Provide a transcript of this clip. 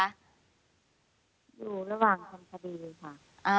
อยู่ระหว่างทำคดีค่ะ